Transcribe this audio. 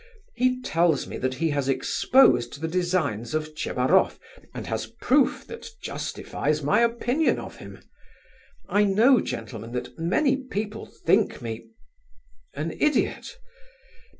He tells me that he has exposed the designs of Tchebaroff and has proof that justifies my opinion of him. I know, gentlemen, that many people think me an idiot.